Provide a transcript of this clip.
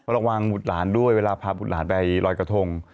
ระวังบุตรหลานด้วยเวลาพาบุตรหลานไปลอยกระทง